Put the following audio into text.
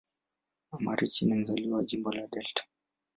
Amarachi ni mzaliwa wa Jimbo la Delta.